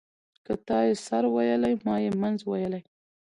ـ که تا يې سر ويلى ما يې منځ ويلى.